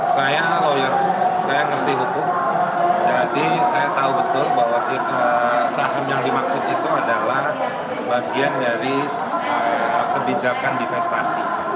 saya lawyer saya ngerti hukum jadi saya tahu betul bahwa saham yang dimaksud itu adalah bagian dari kebijakan divestasi